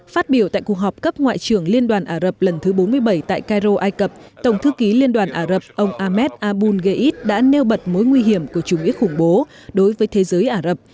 phát biểu tại cuộc họp cấp ngoại trưởng liên đoàn ả rập lần thứ bốn mươi bảy tại cairo ai cập tổng thư ký liên đoàn ả rập ông ahmed abul geid đã nêu bật mối nguy hiểm của chủ nghĩa khủng bố đối với thế giới ả rập